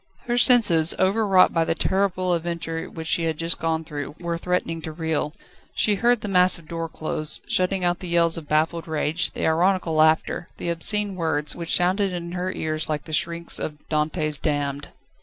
Her senses, overwrought by the terrible adventure which she had just gone through, were threatening to reel; she heard the massive door close, shutting out the yells of baffled rage, the ironical laughter, the obscene words, which sounded in her ears like the shrieks of Dante's damned.